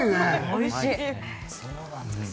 おいしい。